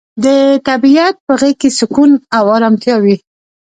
د طبیعت په غیږ کې سکون او ارامتیا وي.